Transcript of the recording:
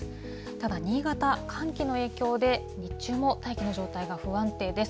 ただ新潟、寒気の影響で、日中も大気の状態が不安定です。